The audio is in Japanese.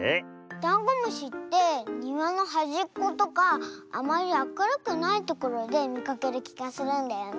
ダンゴムシってにわのはじっことかあまりあかるくないところでみかけるきがするんだよね。